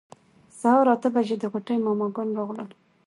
سهار اته بجې د غوټۍ ماما ګان راغلل.